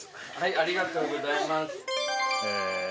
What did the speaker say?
ありがとうございます。